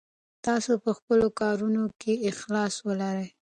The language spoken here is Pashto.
تاسو په خپلو کارونو کې اخلاص ولرئ.